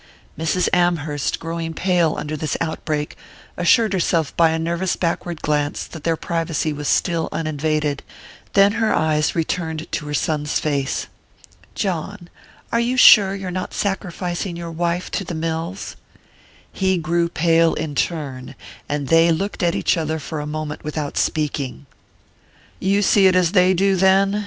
Mrs. Amherst, growing pale under this outbreak, assured herself by a nervous backward glance that their privacy was still uninvaded; then her eyes returned to her son's face. "John are you sure you're not sacrificing your wife to the mills?" He grew pale in turn, and they looked at each other for a moment without speaking. "You see it as they do, then?"